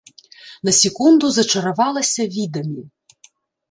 На секунду зачаравалася відамі.